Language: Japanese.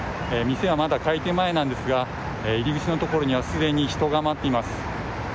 店はまだ開店前なんですが入り口のところにはすでに人が待っています。